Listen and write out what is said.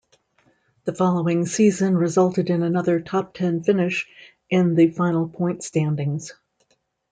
The following season resulted in another top ten finish in the final point standings.